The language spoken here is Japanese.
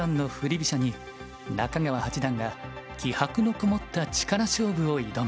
飛車に中川八段が気迫のこもった力勝負を挑む。